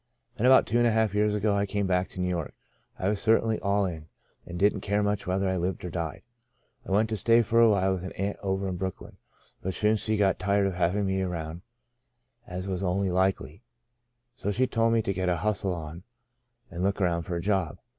Then about two and a half years ago I came back to New York. I was cer tainly all in, and didn't care much whether I lived or died. " I went to stay for a while with an aunt over in Brooklyn. But she soon got tired of having me around (as was only likely) ; so she told me to get a hustle on me and look round after a job.